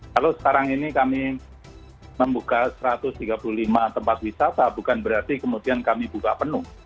kalau sekarang ini kami membuka satu ratus tiga puluh lima tempat wisata bukan berarti kemudian kami buka penuh